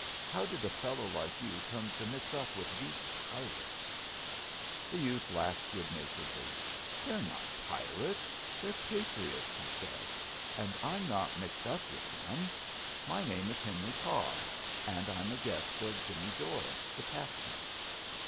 How did a fellow like you come to mix up with these pirates?" The youth laughed good naturedly. "They're not pirates, they're patriots," he said, "and I'm not mixed up with them. My name is Henry Carr and I'm a guest of Jimmy Doyle, the captain."